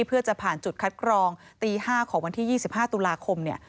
เพื่อจะผ่านจุดคัดกรองตี๕ของวันที่๒๕ตุลาคมเนี่ย